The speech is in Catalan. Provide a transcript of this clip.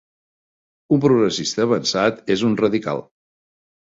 Un progressista avançat és un radical.